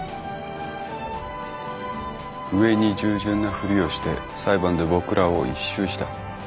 上に従順なふりをして裁判で僕らを一蹴した。